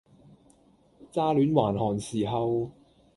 乍煖還寒時候，